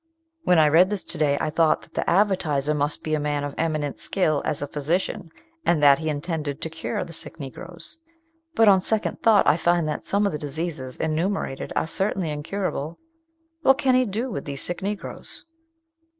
When I read this to day I thought that the advertiser must be a man of eminent skill as a physician, and that he intended to cure the sick Negroes; but on second thought I find that some of the diseases enumerated are certainly incurable. What can he do with these sick Negroes?"